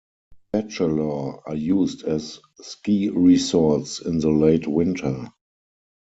Bachelor are used as ski resorts in the late winter.